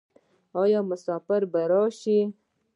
آیا مسافر به راشي؟